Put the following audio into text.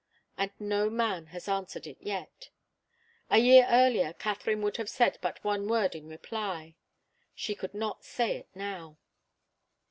And no man has answered it yet. A year earlier Katharine would have said but one word in reply. She could not say it now.